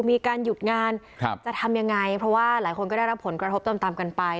มีการหยุดงานครับจะทำยังไงเพราะว่าหลายคนก็ได้รับผลกระทบตามตามกันไป